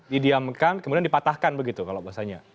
didiamkan kemudian dipatahkan begitu kalau bahasanya